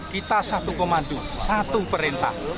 kita satu komando satu perintah